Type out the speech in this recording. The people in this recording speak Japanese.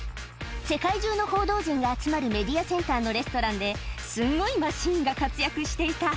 世界中の報道陣が集まるメディアセンターのレストランで、すごいマシンが活躍していた。